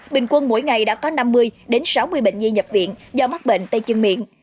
bình quân mỗi ngày đã có năm mươi sáu mươi bệnh nhi nhập viện do mắc bệnh tay chân miệng